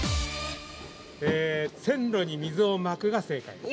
◆線路に水をまくが正解です。